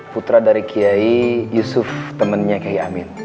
putra dari kiai yusuf temannya kiai amin